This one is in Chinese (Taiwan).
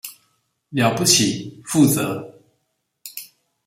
了不起，負責